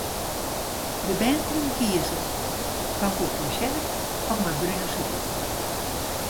De bern koene kieze: pankoek mei sjerp of mei brune sûker.